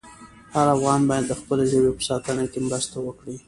هر افغان باید د خپلې ژبې په ساتنه کې مرسته وکړي.